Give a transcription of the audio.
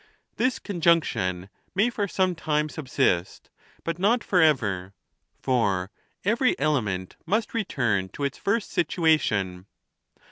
This conjunction may for some time subsist, but not forever ; for every element must return to its first situation.